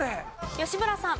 吉村さん。